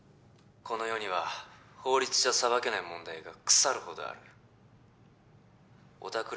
この世には法律じゃ裁けない問題が腐るほどあるおたく